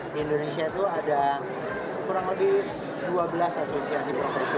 di indonesia itu ada kurang lebih dua belas asosiasi profesi